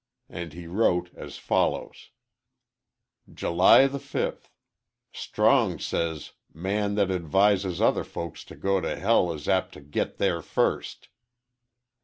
And he wrote as follows _"July the 5 "Strong says 'Man that advises other folks to go to hell is apt to git thair first.'